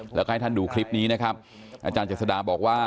แล้วก็ให้ท่านดูคลิปนี้นะครับอาจารย์เจษฎาบอกว่า